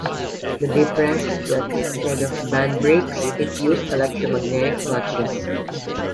The difference is that instead of band brakes, it used electromagnetic clutches.